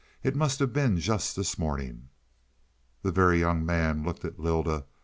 "It must have been just this morning." The Very Young Man looked at Lylda.